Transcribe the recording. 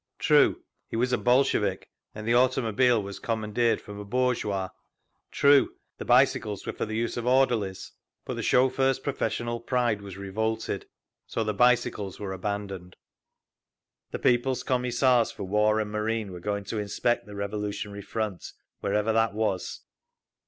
True, he was a Bolshevik, and the automobile was commandeered from a bourgeois; true, the bicycles were for the use of orderlies. But the chauffeur's professional pride was revolted…. So the bicycles were abandoned…. The People's Commissars for War and Marine were going to inspect the revolutionary front—wherever that was.